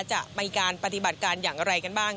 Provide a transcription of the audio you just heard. จะมีการปฏิบัติการอย่างไรกันบ้าง